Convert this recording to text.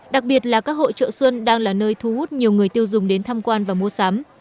đặc biệt là các hội trợ xuân đang là nơi thu hút nhiều người tiêu dùng đến tham quan và mua sắm